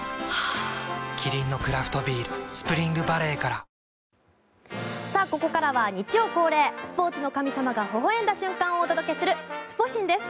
キリンのクラフトビール「スプリングバレー」からここからは日曜恒例スポーツの神様がほほ笑んだ瞬間をお届けするスポ神です。